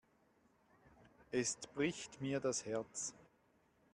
Es bricht mir das Herz.